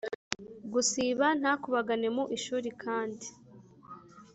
gusiba ntakubagane mu ishuri kandi